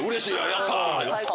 やった！